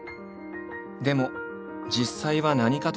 でも実際は何かと難しい。